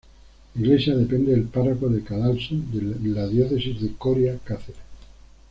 La iglesia depende del párroco de Cadalso en la Diócesis de Coria-Cáceres.